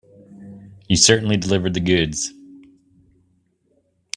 You certainly delivered the goods.